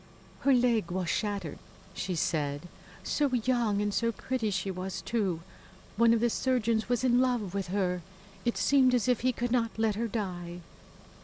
"Her leg was shattered," she said. "So young and so pretty she was, too! One of the surgeons was in love with her. It seemed as if he could not let her die."